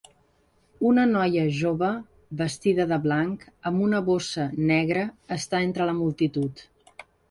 Una noia jove vestida de blanc amb una bossa negra està entre la multitud.